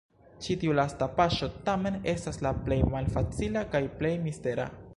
Ĉi tiu lasta paŝo, tamen, estas la plej malfacila kaj plej mistera.